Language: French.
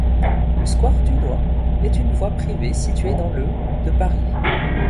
Le square Dunois est une voie privée située dans le de Paris.